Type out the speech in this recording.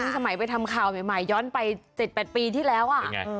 สมัยไปทำข่าวใหม่ย้อนไป๗๘ปีที่แล้วอ่ะ